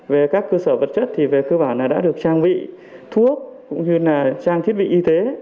về các cơ sở vật chất thì về cơ bản đã được trang bị thuốc cũng như là trang thiết bị y tế